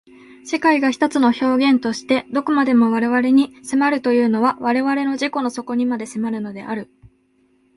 世界が一つの表現として何処までも我々に迫るというのは我々の自己の底にまで迫るのである。